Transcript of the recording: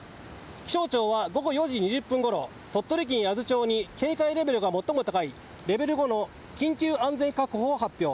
気象庁は午後４時２０分ごろ鳥取県八頭町に警戒レベルが最も高いレベル５の緊急安全確保を発表。